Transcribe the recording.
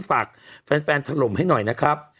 ฝากแฟนถล่มให้หน่อยนะครับ